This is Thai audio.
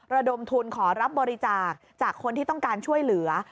ระดมทุนขอรับบริจาคจากคนที่ต้องการช่วยเหลือ